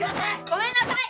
ごめんなさい！